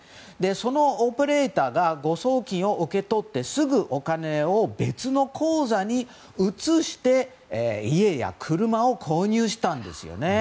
そのオペレーターが誤送金を受け取って、すぐお金を別の口座に移して家や車を購入したんですよ。